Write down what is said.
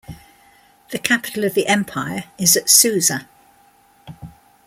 The capital of the empire is at Susa.